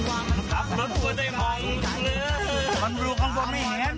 ล้มเร็วเด็ดจิ๊คซ้ายเหรอ